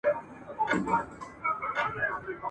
ښځه د دوهمي پوړۍ